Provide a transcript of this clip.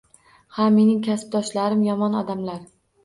Ha, mening kasbdoshlarim yomon odamlar